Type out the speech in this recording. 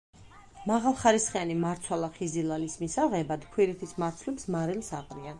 მაღალხარისხიანი მარცვალა ხიზილალის მისაღებად ქვირითის მარცვლებს მარილს აყრიან.